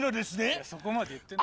いやそこまで言ってない